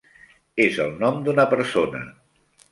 És el nom d'una persona.